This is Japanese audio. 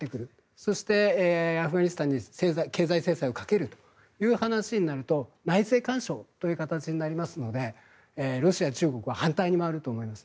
そして、アフガニスタンに経済制裁をかけるという話になると内政干渉という形になりますのでロシア、中国は反対に回ると思います。